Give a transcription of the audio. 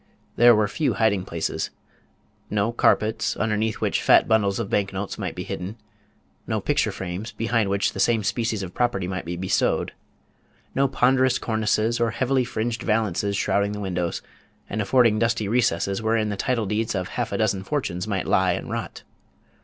There were few hiding places. No carpets, underneath which fat bundles of bank notes might be hidden; no picture frames, behind which the same species of property might be bestowed; no ponderous cornices or heavily fringed valances shrouding the windows, and affording dusty recesses wherein the title deeds of half a dozen fortunes might lie and rot.